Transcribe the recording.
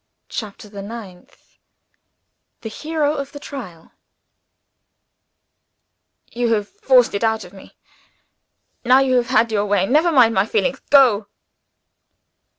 CHAPTER THE NINTH The Hero of the Trial "You have forced it out of me. Now you have had your way, never mind my feelings Go!"